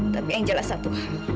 tapi yang jelas satu